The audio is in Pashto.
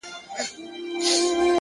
زما د سيمي د ميوند شاعري ،